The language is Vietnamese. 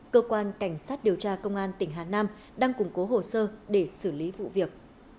cơ quan cảnh sát điều tra công an tỉnh hà nam đang củng cố hồ sơ để xử lý vụ việc